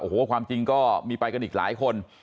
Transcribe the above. โอ้โหความจริงก็มีไปกันอีกหลายคน